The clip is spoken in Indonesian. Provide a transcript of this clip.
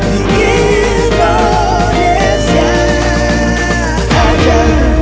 di indonesia aja